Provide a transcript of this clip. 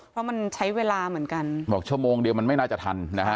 เพราะมันใช้เวลาเหมือนกันบอกชั่วโมงเดียวมันไม่น่าจะทันนะฮะ